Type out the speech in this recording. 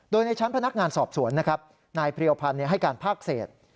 โดยในชั้นพนักงานสอบสวนนะครับนายเพรียวพันธ์ให้การภาคเศษ